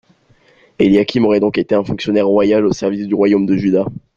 Eliakim aurait donc été un fonctionnaire royal au service du royaume de Juda.